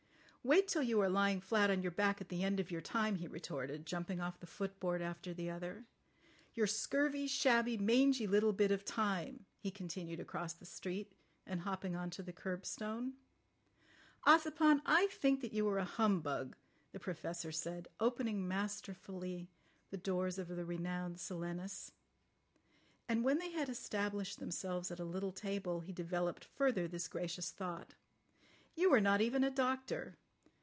"Wait till you are lying flat on your back at the end of your time," he retorted, jumping off the footboard after the other. "Your scurvy, shabby, mangy little bit of time," he continued across the street, and hopping on to the curbstone. "Ossipon, I think that you are a humbug," the Professor said, opening masterfully the doors of the renowned Silenus. And when they had established themselves at a little table he developed further this gracious thought. "You are not even a doctor.